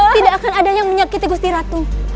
tidak akan ada yang menyakiti gusti ratu